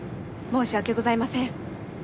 申し訳ございません。